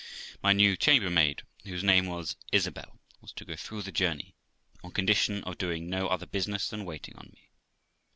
My new chambermaid, whose name was Isabel, was to go through the journey, on condition of doing no other business than waiting on me.